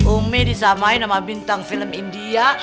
umi disamai nama bintang film india